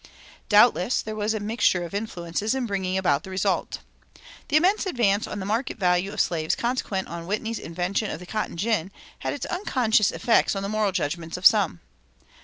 Doubtless there was mixture of influences in bringing about the result. The immense advance in the market value of slaves consequent on Whitney's invention of the cotton gin had its unconscious effect on the moral judgments of some.